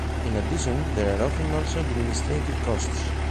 In addition there are often also administrative costs.